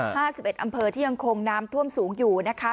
๕๑อำเภอที่ยังคงน้ำท่วมสูงอยู่นะคะ